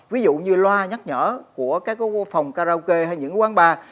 ví dụ như loa nhắc nhở của các cái phòng karaoke hay những cái quán bar